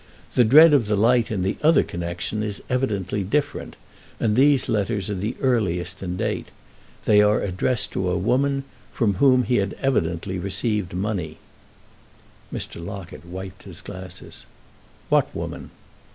The dread of the light in the other connection is evidently different, and these letters are the earliest in date. They are addressed to a woman, from whom he had evidently received money." Mr. Locket wiped his glasses. "What woman?"